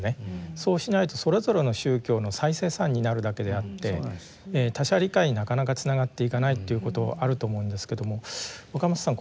そうしないとそれぞれの宗教の再生産になるだけであって他者理解になかなかつながっていかないということあると思うんですけども若松さん